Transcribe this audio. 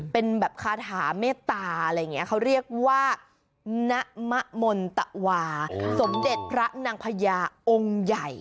เป็นแบบคาถาเมตตาอะไรอย่างนี้เขาเรียกว่าณมะมนตวาสมเด็จพระนางพญาองค์ใหญ่